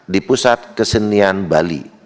di pusat kesenian bali